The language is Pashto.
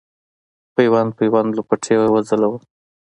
پیوند پیوند لوپټې وځلوه